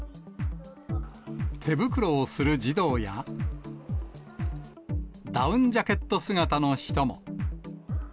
手袋をする児童や、ダウンジャケット姿の人も。